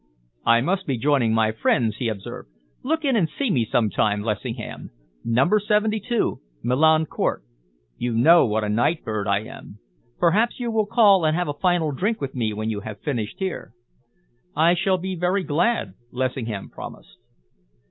"I must be joining my friends," he observed. "Look in and see me sometime, Lessingham Number 72, Milan Court. You know what a nightbird I am. Perhaps you will call and have a final drink with me when you have finished here." "I shall be very glad," Lessingham promised.